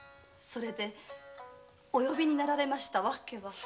お呼びになられました訳は？